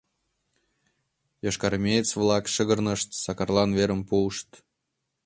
Йошкарармеец-влак шыгырнышт, Сакарлан верым пуышт.